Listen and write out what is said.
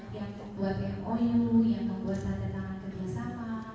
yang membuat bmiu yang membuat latar tangan kerjasama